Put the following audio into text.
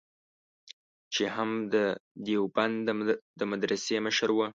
چې هم د دیوبند د مدرسې مشر و.